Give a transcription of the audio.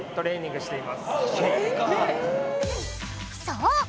そう！